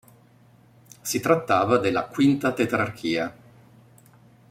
Si trattava della "quinta tetrarchia".